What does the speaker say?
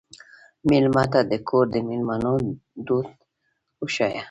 مېلمه ته د کور د مېلمنو دود وښیه.